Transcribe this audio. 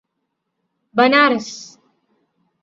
Banaras